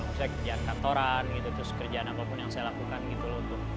misalnya kerjaan kantoran gitu terus kerjaan apapun yang saya lakukan gitu loh